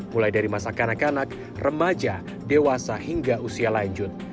mulai dari masa kanak kanak remaja dewasa hingga usia lanjut